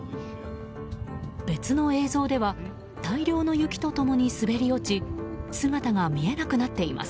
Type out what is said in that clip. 別の映像では大量の雪と共に滑り落ち姿が見えなくなっています。